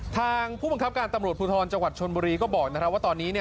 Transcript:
ผู้บังคับการตำรวจภูทรจังหวัดชนบุรีก็บอกว่าตอนนี้